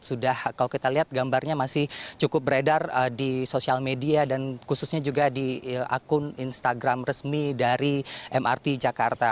sudah kalau kita lihat gambarnya masih cukup beredar di sosial media dan khususnya juga di akun instagram resmi dari mrt jakarta